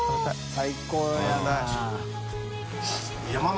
最高だな。